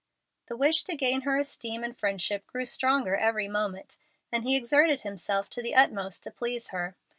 The wish to gain her esteem and friendship grew stronger every moment, and he exerted himself to the utmost to please her.